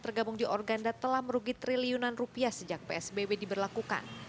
tergabung di organda telah merugi triliunan rupiah sejak psbb diberlakukan